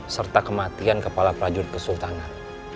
serta kematian kepala prajurit kesultanan